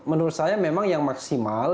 menurut saya memang yang maksimal